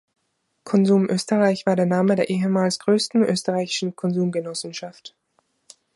Konsum Österreich war der Name der ehemals größten österreichischen Konsumgenossenschaft.